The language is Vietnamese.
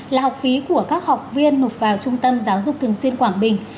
là học phí của các học viên nộp vào trung tâm giáo dục thường xuyên quảng bình